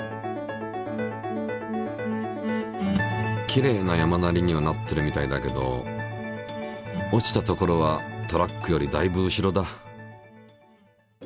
きれいな山なりにはなってるみたいだけど落ちた所はトラックよりだいぶ後ろだ。